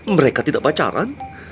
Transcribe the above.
mereka tidak pacaran